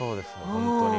本当に。